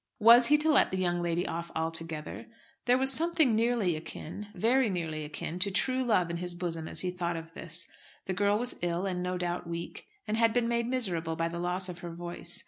Was he to let the young lady off altogether? There was something nearly akin, very nearly akin, to true love in his bosom as he thought of this. The girl was ill, and no doubt weak, and had been made miserable by the loss of her voice.